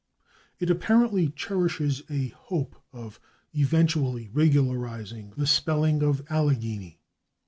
It apparently cherishes a hope of eventually regularizing the spelling of /Allegany